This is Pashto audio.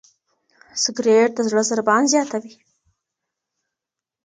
سګریټ د زړه ضربان زیاتوي.